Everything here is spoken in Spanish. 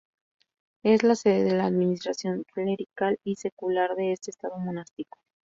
Es la sede de la administración clerical y secular de este estado monástico.